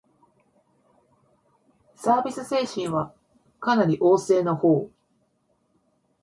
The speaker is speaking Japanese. サービス精神はかなり旺盛なほう